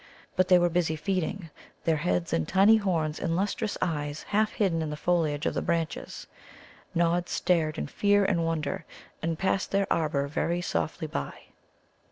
But they were busy feeding, their heads and tiny horns and lustrous eyes half hidden in the foliage of the branches. Nod stared in fear and wonder, and passed their arbour very softly by.